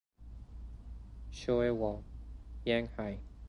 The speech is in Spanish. Choe-Wall, Yang-hi.